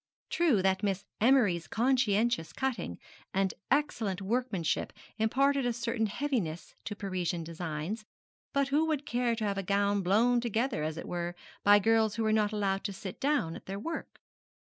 True that Miss Emery's conscientious cutting and excellent workmanship imparted a certain heaviness to Parisian designs; but who would care to have a gown blown together, as it were, by girls who were not allowed to sit down at their work?